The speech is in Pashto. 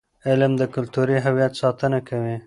علم د کلتوري هویت ساتنه کوي.